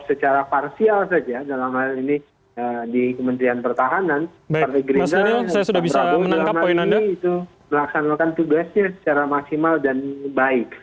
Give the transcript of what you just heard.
jadi secara parsial saja dalam hal ini di kementerian pertahanan partai gerindra dan pak prabowo dalam hal ini itu melaksanakan tugasnya secara maksimal dan baik